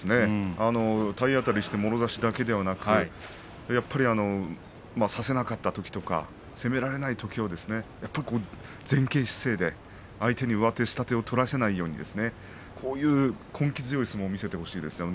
体当たりしてもろ差しだけではなくやっぱり差せなかったときとか攻められないときは前傾姿勢で、相手に上手下手を取らせないように根気強い相撲を見せてほしいですね。